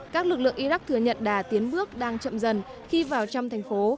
các lực lượng iraq thừa nhận đà tiến bước đang chậm dần khi vào trăm thành phố